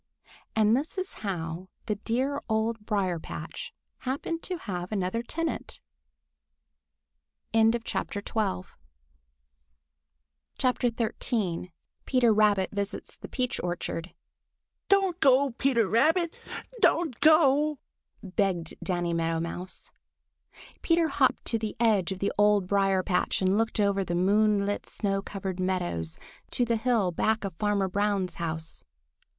And this is how the dear Old Briar patch happened to have another tenant. XIII PETER RABBIT VISITS THE PEACH ORCHARD "DON'T go, Peter Rabbit! Don't go!" begged Danny Meadow Mouse. Peter hopped to the edge of the Old Briar patch and looked over the moonlit, snow covered meadows to the hill back of Farmer Brown's house.